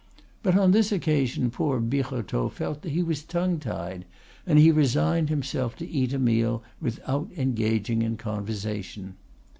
But on this occasion poor Birotteau felt he was tongue tied, and he resigned himself to eat a meal without engaging in conversation.